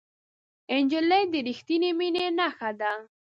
نجلۍ د رښتینې مینې نښه ده.